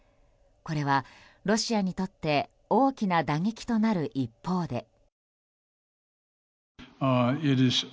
これはロシアにとって大きな打撃となる一方で。